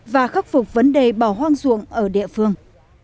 và khắc phục vấn đề bỏ hoang ruộng ở địa phương